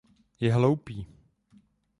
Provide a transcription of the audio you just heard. Je hloupý.